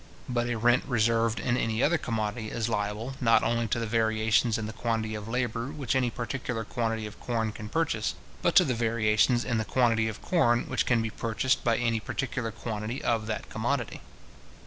But a rent reserved in any other commodity is liable, not only to the variations in the quantity of labour which any particular quantity of corn can purchase, but to the variations in the quantity of corn which can be purchased by any particular quantity of that commodity.